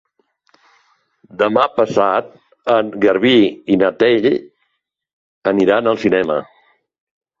Demà passat en Garbí i na Txell aniran al cinema.